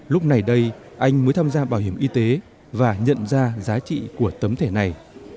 lúc này đây anh mới tham gia bảo hiểm y tế và nhận ra giá trị của tấm thẻ này